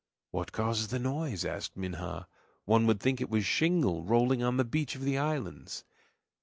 "What causes the noise?" asked Minha. "One would think it was shingle rolling on the beach of the islands."